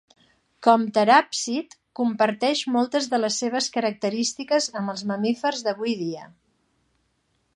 Com teràpsid, comparteix moltes de les seves característiques amb els mamífers d'avui dia.